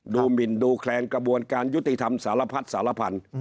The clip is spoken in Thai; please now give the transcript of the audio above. หมินดูแคลงกระบวนการยุติธรรมสารพัดสารพันธุ์